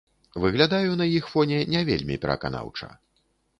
Выглядаю на іх фоне не вельмі пераканаўча.